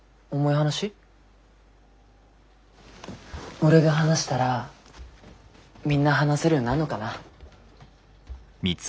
俺が話したらみんな話せるようになんのかな。